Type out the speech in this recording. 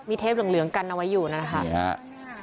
มีเทพเหลืองกันเอาไว้อยู่นั่นนะคะ